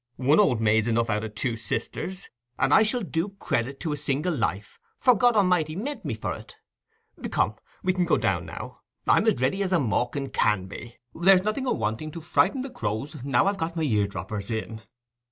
One old maid's enough out o' two sisters; and I shall do credit to a single life, for God A'mighty meant me for it. Come, we can go down now. I'm as ready as a mawkin can be—there's nothing awanting to frighten the crows, now I've got my ear droppers in."